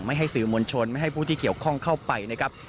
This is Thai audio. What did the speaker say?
ให้สื่อมวลชนไม่ให้ผู้ที่เกี่ยวข้องเข้าไปนะครับ